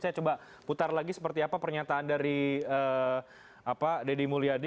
saya coba putar lagi seperti apa pernyataan dari deddy mulyadi